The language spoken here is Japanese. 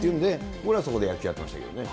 俺はそこで野球をやってましたけどね。